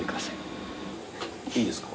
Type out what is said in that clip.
いいですか？